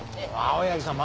青柳さん